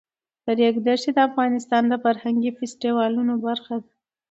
د ریګ دښتې د افغانستان د فرهنګي فستیوالونو برخه ده.